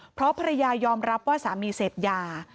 เพราะภรรยายอมรับว่าสามีเสพยา